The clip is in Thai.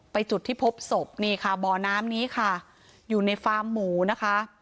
จุดที่พบศพนี่ค่ะบ่อน้ำนี้ค่ะอยู่ในฟาร์มหมูนะคะ